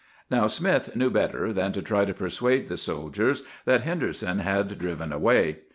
"Now, Smith knew better than to try to persuade the soldiers that Henderson had driven away.